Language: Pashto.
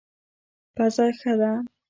پزه ښه ده.